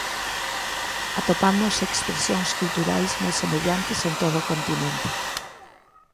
Atopamos expresións culturais moi semellantes en todo o continente.